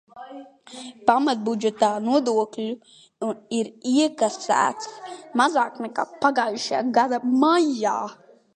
Pamatbudžetā nodokļu ir iekasēts mazāk nekā pagājušā gada maijā.